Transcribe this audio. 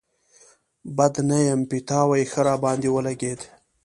بد نه يم، پيتاوی ښه راباندې ولګېد.